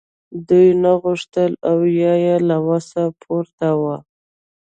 دوی نه غوښتل او یا یې له وسه پورته وه